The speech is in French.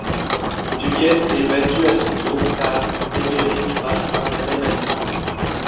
Duquette est battu à son tour par Médéric Martin la même année.